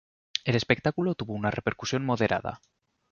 El espectáculo tuvo una repercusión moderada.